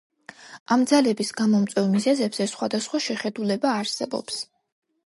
ამ ძალების გამომწვევ მიზეზებზე სხვადასხვა შეხედულება არსებობს.